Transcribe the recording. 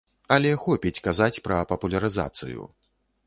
Але хопіць казаць пра папулярызацыю.